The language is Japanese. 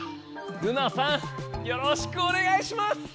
ルナさんよろしくおねがいします！